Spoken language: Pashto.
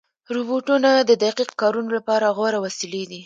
روبوټونه د دقیق کارونو لپاره غوره وسیلې دي.